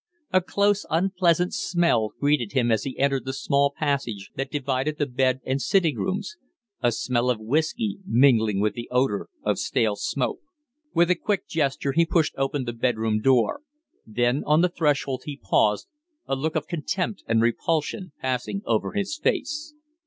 A close, unpleasant smell greeted him as he entered the small passage that divided the bed and sitting rooms a smell of whiskey mingling with the odor of stale smoke. With a quick gesture he pushed open the bedroom door; then on the threshold he paused, a look of contempt and repulsion passing over his face.